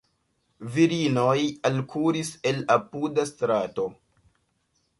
Virinoj alkuris el apuda strato.